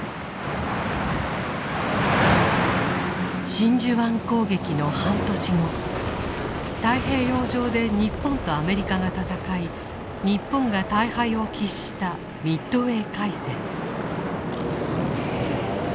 真珠湾攻撃の半年後太平洋上で日本とアメリカが戦い日本が大敗を喫したミッドウェー海戦。